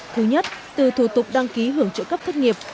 thứ nhất từ thủ tục đăng ký hưởng trợ cấp thất nghiệp